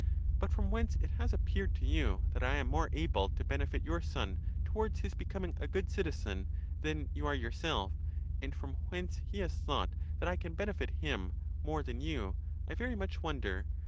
But from whence it has appeared to you that I am more able to benefit your son towards his becoming a good citizen, than you are yourself, and from whence he has thought that I can benefit him more than you, I very much wonder.